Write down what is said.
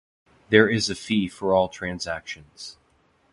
There is a fee for all transactions.